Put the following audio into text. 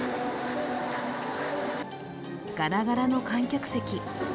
ガラガラの観客席。